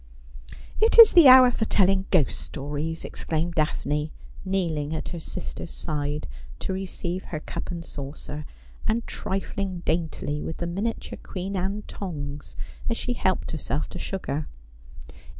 'It is the hour for telling ghost stories,' exclaimed Daphne, kneeling at her sister's side to receive her cup and saucer, and trifling daintily with the miniature Queen Anne tongs as she helped herself to sugar.